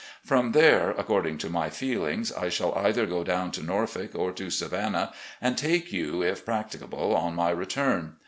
From there, according to my feelings, I shall either go down to Norfolk or to Savannah, and take you if practi cable on my return.